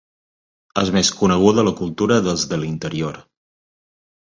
És més coneguda la cultura dels de l'interior.